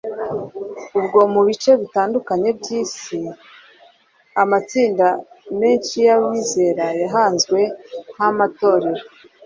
ubwo mu bice bitandukanye by’isi amatsinda menshi y’abizera yahanzwe nk’amatorero,